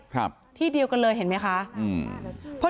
ครับที่เดียวกันเลยเห็นไหมคะอืม